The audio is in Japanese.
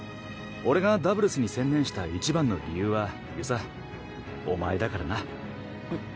俺がダブルスに専念した一番の理由は遊佐お前だからな。